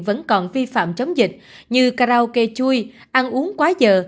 vẫn còn vi phạm chống dịch như karaoke chui ăn uống quá giờ